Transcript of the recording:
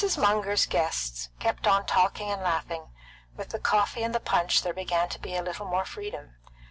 Munger's guests kept on talking and laughing. With the coffee and the punch there began to be a little more freedom.